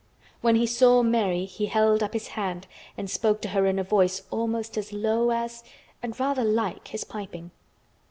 When he saw Mary he held up his hand and spoke to her in a voice almost as low as and rather like his piping.